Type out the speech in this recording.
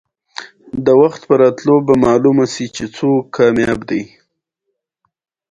رومیان د فایبر منبع دي